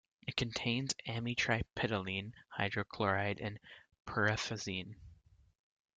It contains Amitriptyline hydrochloride and Perphenazine.